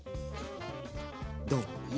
どう？